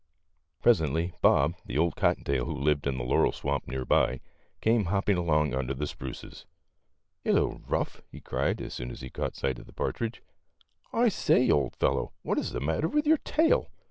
Presently Bob, the old cotton tail who lived in the laurel swamp near by, came hopping along under the spruces. " Hello, Ruff," he cried, as soon as he caught sight of the partridge. " I say, old fellow, what is the matter with your tail?